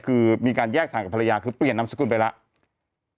คือมีการแยกทางกับภรรยาคือเปลี่ยนนามสกุลไปแล้ว